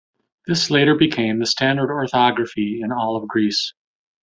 This later became the standard orthography in all of Greece.